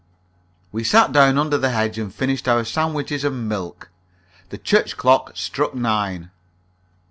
We sat down under the hedge, and finished our sandwiches and milk. The church clock struck nine.